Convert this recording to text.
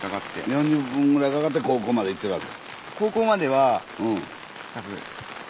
４０分ぐらいかかって高校まで行ってるわけ？